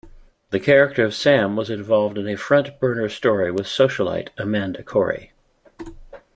The character of Sam was involved in a front-burner story with socialite Amanda Cory.